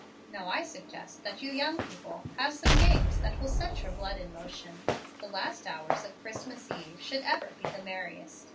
I now suggest that you young people have some games that will set your blood in motion. The last hours of Christmas eve should ever be the merriest.